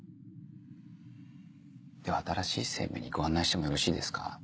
では新しい生命にご案内してもよろしいですか？